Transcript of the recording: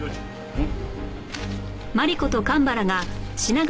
うん？